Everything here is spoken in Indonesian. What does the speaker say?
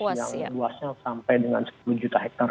yang luasnya sampai dengan sepuluh juta hektar